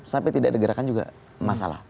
sampai tidak ada gerakan juga masalah